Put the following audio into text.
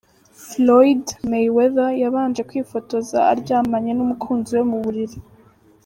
Floyd Mayweather yabanje kwifotoza aryamanye n'umukunzi we mu buriri.